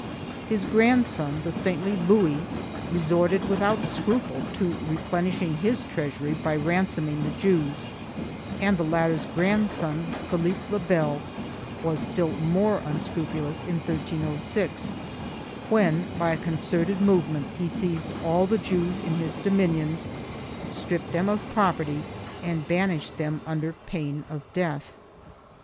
His grandson, the saintly Louis, resorted without scruple to replenishing his treasury by ransoming the Jews and the latter's grandson, Philippe le Bel, was still more unscrupu lous in 1306, when, by a concerted movement, he seized all the Jews in his dominions, stripped them of property, and banished them under pain of death.